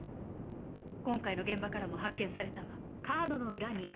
今回の現場からも発見されたわ。